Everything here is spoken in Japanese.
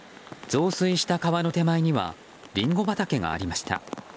増水した川の手前にはリンゴ畑がありました。